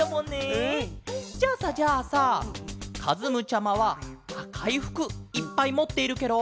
うん！じゃあさじゃあさかずむちゃまはあかいふくいっぱいもっているケロ？